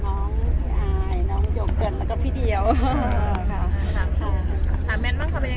หลายแม็คทำไปยังไงบ้าง